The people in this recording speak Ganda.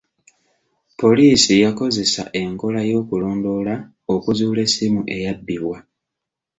Poliisi yakozesa enkola y'okulondoola okuzuula essimu eyabbibwa.